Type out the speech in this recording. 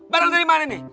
barang dari mana nih